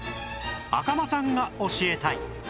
赤間さんが教えたい